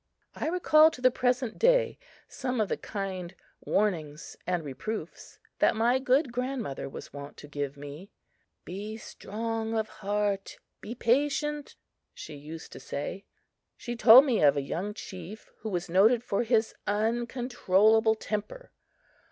I recall to the present day some of the kind warnings and reproofs that my good grandmother was wont to give me. "Be strong of heart be patient!" she used to say. She told me of a young chief who was noted for his uncontrollable temper.